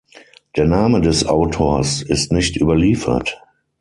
Der Name des Autors ist nicht überliefert.